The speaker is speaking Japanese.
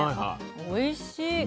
あおいしい。